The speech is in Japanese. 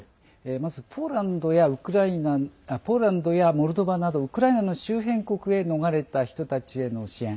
まずポーランドやモルドバなどウクライナの周辺国へ逃れた人たちへの支援。